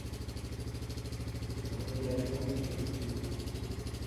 Má ndyă njóm kúw.